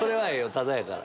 タダやから。